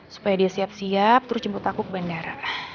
supaya dia siap siap terus jemput aku ke bandara